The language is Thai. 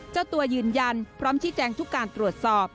เจ้าตัวยืนยันพร้อมชี้แจงทุกการตรวจสอบ